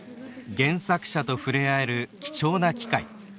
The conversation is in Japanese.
原作者と触れ合える貴重な機会。